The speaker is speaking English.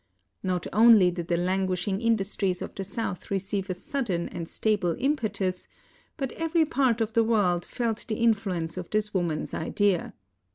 Not only did the languishing industries of the South receive a sudden and stable impetus, but every part of the world felt the influence of this woman's idea.